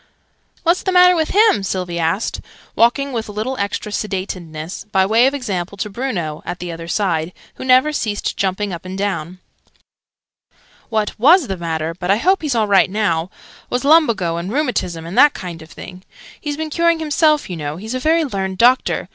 "What's the matter with him?" Sylvie asked, walking with a little extra sedateness, by way of example to Bruno at the other side, who never ceased jumping up and down. {Image...Visiting the profesor} "What was the matter but I hope he's all right now was lumbago, and rheumatism, and that kind of thing. He's been curing himself, you know: he's a very learned doctor.